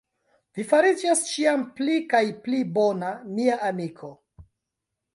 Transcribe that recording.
Vi fariĝas ĉiam pli kaj pli bona, mia amiko.